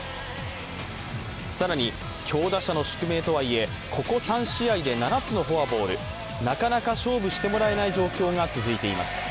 更に、強打者の宿命とはいえここ３試合で７つのフォアボール、なかなか勝負してもらえない状況が続いています。